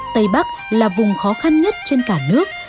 tây bắc là vùng khó khăn nhất trên cả nước